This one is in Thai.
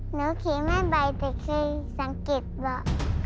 หนูขีไม่ใบแต่คือสังเกตบอก